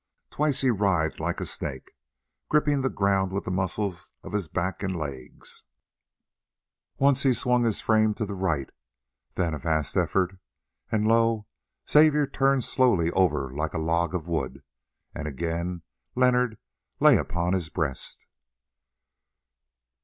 Twice he writhed like a snake, gripping the ground with the muscles of his back and legs; once he swung his frame to the right, then a vast effort, and lo! Xavier turned slowly over like a log of wood, and again Leonard lay upon his breast.